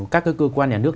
các cơ quan nhà nước